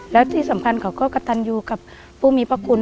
แล้วที่สำคัญเขาก็กระตันอยู่กับผู้มีพระคุณ